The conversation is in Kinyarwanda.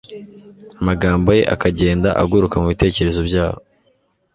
amagambo ye akagenda agaruka mu bitekerezo byabo.